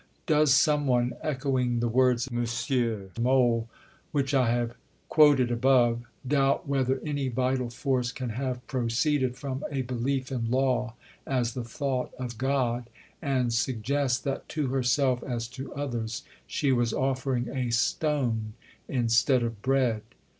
Does some one, echoing the words of M. Mohl which I have quoted above, doubt whether any vital force can have proceeded from a belief in Law as the Thought of God, and suggest that to herself as to others she was offering a stone instead of bread?